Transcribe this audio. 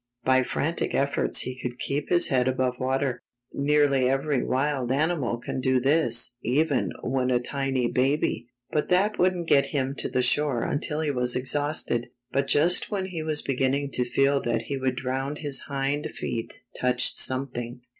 By frantic efforts he could keep his head above water. Nearly every wild animal can do this even when a tiny baby. But that wouldn't get him to the shore until he was exhausted. But just when he was beginning to feel that he would drown his hind feet touched something.